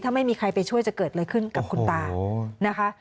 ถ้าไม่มีใครไปช่วยจะเกิดอะไรขึ้นกับคุณตานะคะ